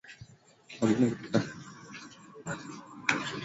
Wageni kutoka nchi mbalimbali ni wahudhuriaji wazuri wa wa tamasha hilo